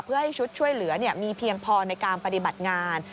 เพื่อให้ชุดช่วยเหลือมีเพียงพอในการปฏิบัติงาน